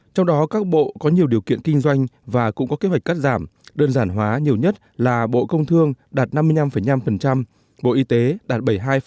trong đó các bộ có nhiều điều kiện kinh doanh và cũng có kế hoạch cắt giảm đơn giản hóa nhiều nhất là bộ công thương đạt năm mươi năm năm bộ y tế đạt bảy mươi hai năm